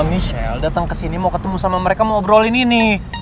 ini michelle datang kesini mau ketemu sama mereka mau obrolin ini